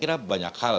saya kira banyak hal